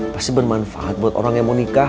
pasti bermanfaat buat orang yang mau nikah